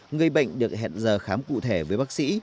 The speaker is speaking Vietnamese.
người bệnh được hẹn giờ khám cụ thể với bác sĩ